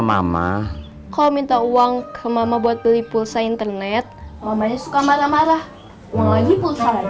mama kau minta uang ke mama buat beli pulsa internet mamanya suka marah marah uang lagi pulsa